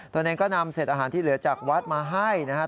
ตอนนั้นก็นำเสร็จอาหารที่เหลือจากวัดมาให้นะครับ